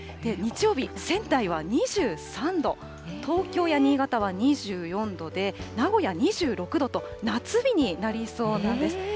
日曜日、仙台は２３度、東京や新潟は２４度で、名古屋２６度と、夏日になりそうなんです。